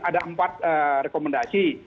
ada empat rekomendasi